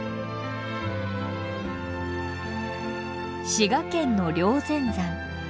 滋賀県の霊仙山。